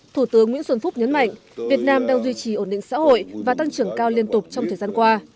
thủ tướng nguyễn xuân phúc nhấn mạnh việt nam đang duy trì ổn định xã hội và tăng trưởng cao liên tục trong thời gian qua